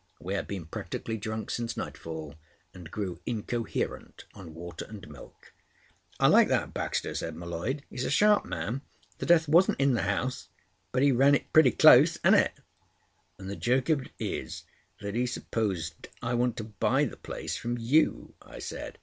We had been practically drunk since nightfall, and grew incoherent on water and milk. "I like that Baxter," said M'Leod. "He's a sharp man. The death wasn't in the house, but he ran it pretty close, ain't it?" "And the joke of it is that he supposes I want to buy the place from you," I said.